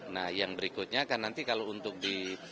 nah yang berikutnya kan nanti kalau untuk di